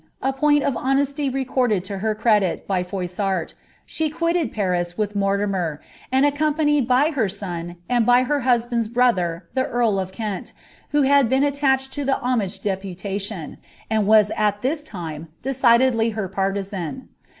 (a point of honesty reconl«l U> ha credit by Froissarl,) she quilled Paris, wiili .Mortimer; and arcompaaied by her son, and by her husband's brother the earl of Kent, who hod beeo altached to the homage deputation, and yitvi at this time decidedly hrr partisan.